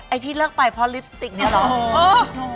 ที่เลิกไปเพราะลิปสติกเนี่ยเหรอ